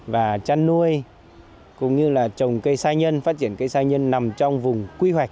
và chăn nuôi cũng như là trồng cây sa nhân phát triển cây sa nhân nằm trong vùng quy hoạch